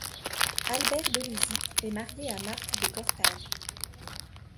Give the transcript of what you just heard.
Albert Dolisie est marié à Marthe de Cortade.